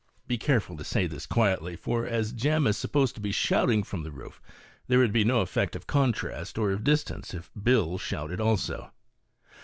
(Be careful to say this quietly, for as Jem is supposed to be " shouting " from the roof there would be no effect of contrast or of distance if 'Bill shouted also.)